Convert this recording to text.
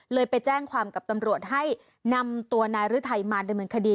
ไปแจ้งความกับตำรวจให้นำตัวนายฤทัยมาดำเนินคดี